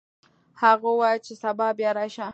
هغه وویل چې سبا بیا راشه.